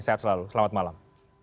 sehat selalu selamat malam